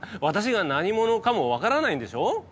私が何者かも分からないんでしょう？